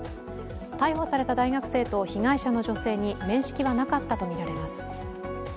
逮捕された大学生と被害者の女性に面識はなかったとみられます。